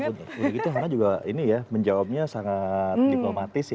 udah gitu karena juga ini ya menjawabnya sangat diplomatis ya